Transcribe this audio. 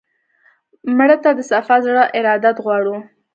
مړه ته د صفا زړه ارادت غواړو